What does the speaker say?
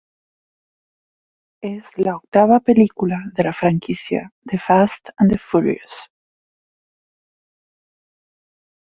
Es la octava película de la franquicia "The Fast and the Furious".